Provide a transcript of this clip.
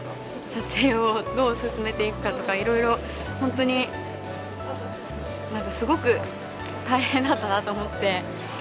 撮影をどう進めていくかとか、いろいろ本当に、なんかすごく大変だったなと思って。